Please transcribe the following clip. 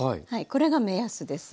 これが目安です。